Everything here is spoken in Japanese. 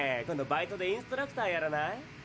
今度バイトでインストラクターやらない？